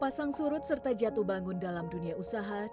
pasang surut serta jatuh bangun dalam dunia usaha